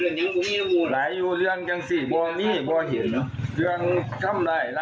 แต่เราไปได้ข้อมูลจากกลุ่มเพื่อนของนายดุษฎีคนตายมาแบบนี้ว่า